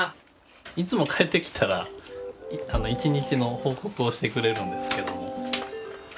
いつも帰ってきたら一日の報告をしてくれるんですけども。